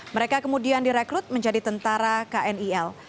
mereka kemudian direkrut menjadi tentara knil